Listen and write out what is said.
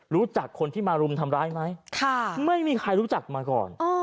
รู้จักคนที่มารุมทำร้ายไหมไม่มีใครรู้จักมาก่อน